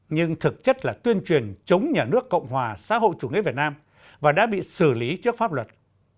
nhưng thực chất là tuyên truyền chống nhà nước cộng hòa xã hội chủ nghĩa việt nam và đã bị xử lý trước pháp luật